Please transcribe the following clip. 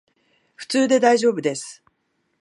普通でだいじょうぶです